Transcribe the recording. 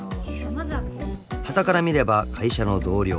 ［はたから見れば会社の同僚］